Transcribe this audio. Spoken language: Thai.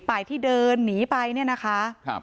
หลังไปที่เดินนิ้วไปเนี่ยนะคะ